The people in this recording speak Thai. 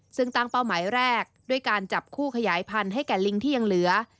ซึ่งตั้งเป้าหมายแรกด้วยการจับคู่ขยายพันธุ์ให้แก่ลิงที่ยังเหลือ